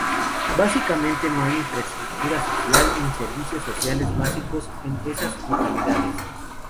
Básicamente no hay infraestructura social ni servicios sociales básicos en esas localidades.